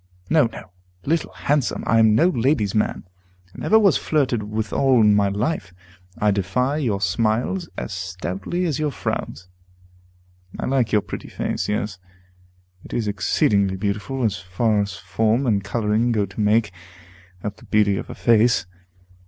No, no, Little Handsome! I am no lady's man, and never was flirted withal in my life. I defy your smiles, as stoutly as your frowns. I like your pretty face; yes, it is exceedingly beautiful, as far as form and coloring go to make up the beauty of a face.